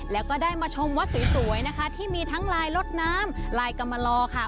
แล้วก็ได้มาชมวัดสวยนะคะที่มีทั้งลายรถน้ำลายกรรมลอค่ะ